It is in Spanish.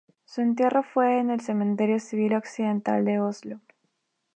Su entierro fue en el Cementerio Civil Occidental de Oslo.